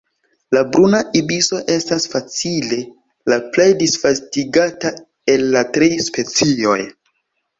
La Bruna ibiso estas facile la plej disvastigata el la tri specioj.